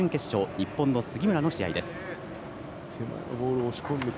日本の杉村の試合です。